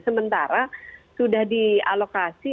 sementara sudah dialokasi